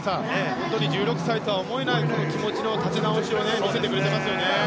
本当に１６歳とは思えない気持ちの立て直しを見せてくれましたね。